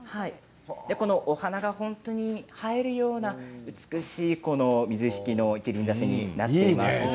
お花が本当に映えるような美しい水引の一輪挿しになっています。